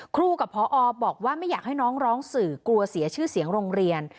ครูกับพอบอกว่าไม่อยากให้น้องร้องสื่อกลัวเสียชื่อเสียงโรงเรียน